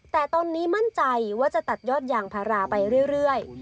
แต่ตอนนี้มั่นใจว่าจะตัดยอดยางพาราไปเรื่อย